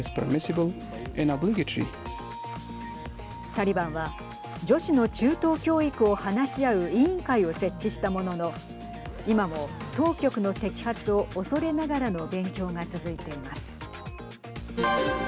タリバンは女子の中等教育を話し合う委員会を設置したものの今も当局の摘発を恐れながらの勉強が続いています。